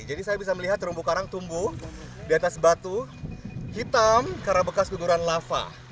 jadi saya bisa melihat terumbu karang tumbuh di atas batu hitam karena bekas keguguran lava